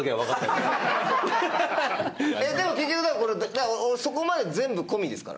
でも結局だからこれそこまで全部込みですからね。